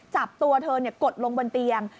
จับตัวเธอกดลงบนเตียง